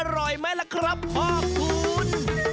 อร่อยไหมล่ะครับพ่อคุณ